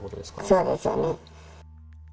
そうですよね。